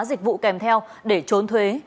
dịch vụ kèm theo để trốn thuế